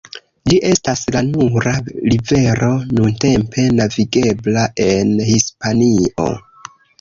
Ĝi estas la nura rivero nuntempe navigebla en Hispanio.